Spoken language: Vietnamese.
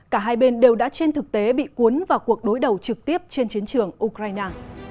cả hai bên đều đã trên thực tế bị cuốn vào cuộc đối đầu trực tiếp trên chiến trường ukraine